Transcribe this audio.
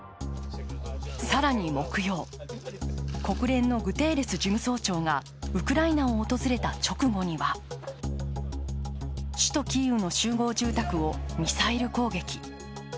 更に木曜、国連のグテーレス事務総長がウクライナを訪れた直後には首都キーウの集合住宅をミサイル攻撃。